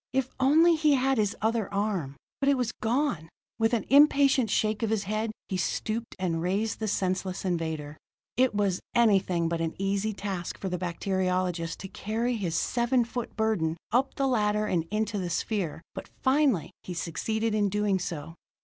If only he had his other arm! But it was gone; with an impatient shake of his head he stooped and raised the senseless invader. It was anything but an easy task for the bacteriologist to carry his seven foot burden up the ladder and into the sphere, but finally, he succeeded in doing so.